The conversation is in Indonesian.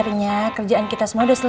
akhirnya kerjaan kita semua udah selesai